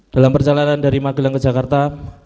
dalam perjalanan dari magelang ke jakarta